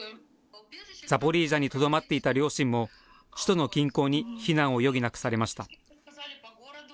ザポリージャにとどまっていた両親も、首都の近郊に避難を余儀なくされました。